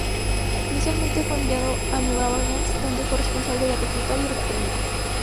Inicialmente fue enviado a Nueva Orleans, donde fue responsable de reclutar y entrenar.